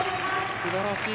すばらしい。